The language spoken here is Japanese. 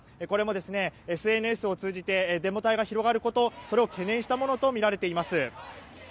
これもＳＮＳを通じてデモ隊が広がることそれを懸念したものとみられています。